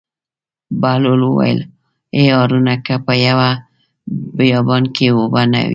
بهلول وویل: ای هارونه که په یوه بیابان کې اوبه نه وي.